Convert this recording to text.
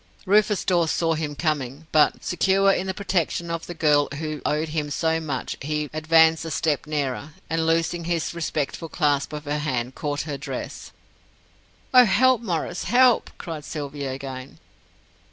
Rufus Dawes saw him coming, but, secure in the protection of the girl who owed to him so much, he advanced a step nearer, and loosing his respectful clasp of her hand, caught her dress. "Oh, help, Maurice, help!" cried Sylvia again.